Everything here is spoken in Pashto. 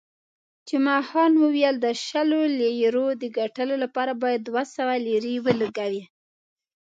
جمعه خان وویل، د شلو لیرو د ګټلو لپاره باید دوه سوه لیرې ولګوې.